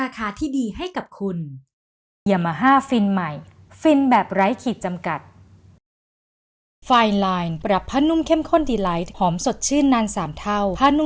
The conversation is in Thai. ถ้าพี่ชัยได้ตำแหน่งผู้จัดการฝ่ายขาย